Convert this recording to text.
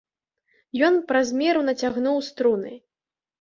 Ён праз меру нацягнуў струны.